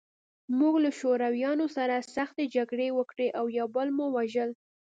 موږ له شورویانو سره سختې جګړې وکړې او یو بل مو وژل